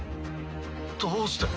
どうして。